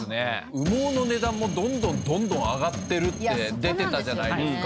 羽毛の値段もどんどんどんどん上がってるって出てたじゃないですか。